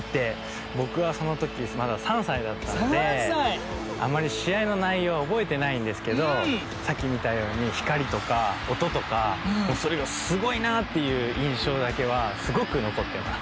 ぼくはそのときまだ３さいだったのであまりしあいのないようはおぼえてないんですけどさっきみたようにひかりとかおととかもうそれがすごいなっていういんしょうだけはすごくのこってます。